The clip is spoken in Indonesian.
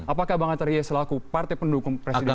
apakah bang artaria selaku partai pendukung presiden jokowi